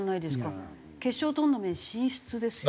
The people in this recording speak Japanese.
決勝トーナメント進出ですよ。